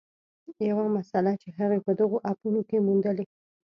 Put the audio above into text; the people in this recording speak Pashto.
یوه مسله چې هغې په دغو اپونو کې موندلې